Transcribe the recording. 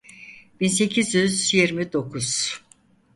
bin sekiz yüz yirmi dokuz